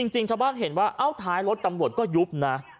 จริงชาวบ้านเห็นว่าเอ้าท้ายรถตำรวจก็ยุบนะ